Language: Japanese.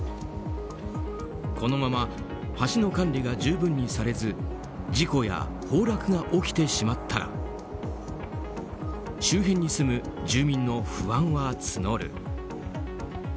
このまま橋の管理が十分にされず事故や崩落が起きてしまったら周辺に住む住民の不安は募る。